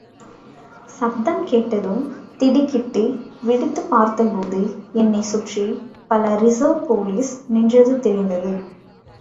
சப்தம் கேட்டதும் திடுக்கிட்டு விழித்துப் பார்த்தபோது என்னைச் சுற்றிப் பல ரிஸர்வ் போலீஸ் நின்றது தெரிந்தது.